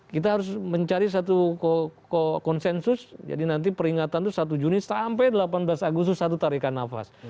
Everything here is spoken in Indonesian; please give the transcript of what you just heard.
kita harus mencari satu konsensus jadi nanti peringatan itu satu juni sampai delapan belas agustus satu tarikan nafas